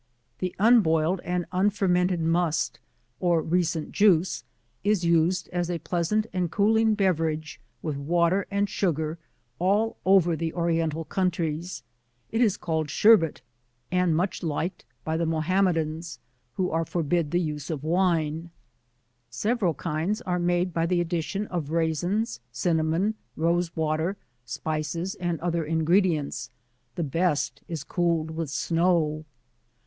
The unboiled and unfermented Must or recent juice is used as a pleasant and cooling beverage, with water and sugar, all over the Oriental countries ; it is called Sher bet, and much liked by the Mahometans, who are forbid the use of wine ; several kinds are made by the addition of raisins, cinnamon, rose water, spices and other ingre dients J the best is cooled with snow.